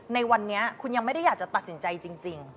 ในวันนี้คุณยังไม่ได้อยากจะตัดสินใจจริง